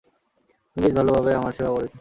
তুমি বেশ ভালভাবেই আমার সেবা করেছ।